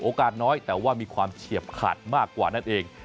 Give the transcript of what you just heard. น้อยแต่ว่ามีความเฉียบขาดมากกว่านั่นเอง